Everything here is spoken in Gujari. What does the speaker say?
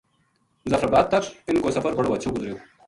مظفرآباد تک اِن کو سفر بڑو ہچھو گزریو